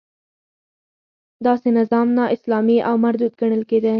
داسې نظام نا اسلامي او مردود ګڼل کېده.